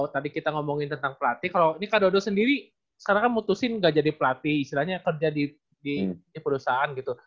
tadi kita ngomongin tentang pelatih kalau ini kadodo sendiri sekarang kan mutusin gak jadi pelatih istilahnya kerja di perusahaan gitu